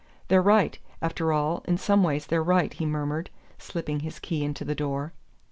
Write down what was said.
"They're right, after all, in some ways they're right," he murmured, slipping his key into the door.